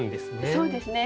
そうですね